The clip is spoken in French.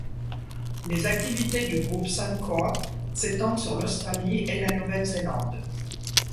Les activités du groupe Suncorp s'étendent sur l'Australie et la Nouvelle-Zélande.